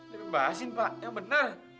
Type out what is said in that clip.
bebasin pak ya benar